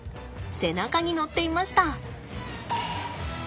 背中に乗っていました。